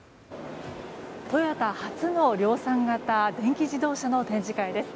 トヨタ初の量産型電気自動車の展示会です。